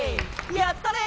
やったね！